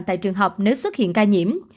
tại trường học nếu xuất hiện ca nhiễm